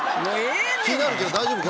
気になるけど大丈夫？